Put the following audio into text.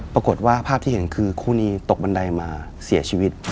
ปรากฏว่าภาพที่เห็นคือคู่นี้ตกบันไดมาเสียชีวิต